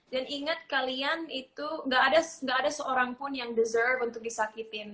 dan ingat kalian itu gak ada seorang pun yang deserve untuk disakitin